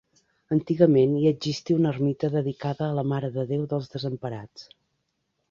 Antigament hi existí una ermita dedicada a la Mare de Déu dels Desemparats.